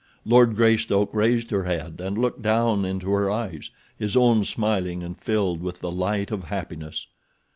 Lord Greystoke raised her head and looked down into her eyes, his own smiling and filled with the light of happiness.